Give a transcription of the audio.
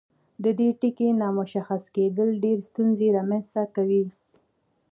د دې ټکي نامشخص کیدل ډیرې ستونزې رامنځته کوي.